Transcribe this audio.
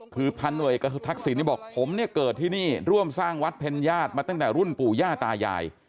คือพันหน่วยเอกทักษิณนี่บอกผมเนี่ยเกิดที่นี่ร่วมสร้างวัดเพ็ญญาติมาตั้งแต่รุ่นปู่ย่าตายาย